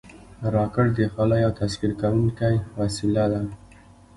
راکټ د خلا یو تسخیر کوونکی وسیله ده